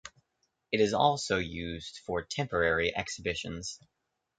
It is also used for temporary exhibitions.